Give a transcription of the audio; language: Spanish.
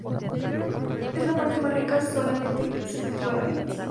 En las partes más ricas solamente se cultiva la vid.